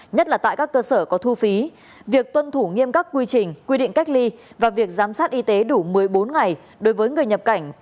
nhất là tại các cơ sở có thu phí việc tuân thủ nghiêm các quy trình quy định cách ly và việc giám sát y tế đủ một mươi bốn ngày đối với người nhập cảnh